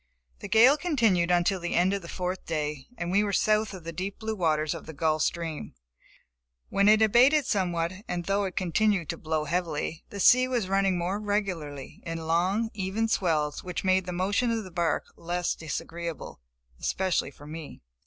* The gale continued until the end of the fourth day, and we were south of the deep blue waters of the Gulf Stream, when it abated somewhat, and though it continued to blow heavily, the sea was running more regularly, in long, even swells which made the motion of the bark less disagreeable, especially for me.